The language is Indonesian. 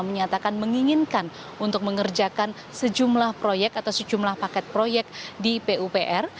menyatakan menginginkan untuk mengerjakan sejumlah proyek atau sejumlah paket proyek di pupr